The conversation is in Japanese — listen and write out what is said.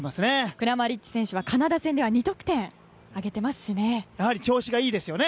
クラマリッチ選手はカナダ戦では２得点を挙げていますからね。